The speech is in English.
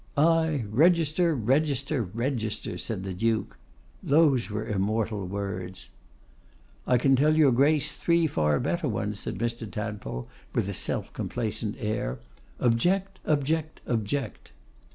'Ay! register, register, register!' said the Duke. 'Those were immortal words.' 'I can tell your Grace three far better ones,' said Mr. Tadpole, with a self complacent air. 'Object, object, object!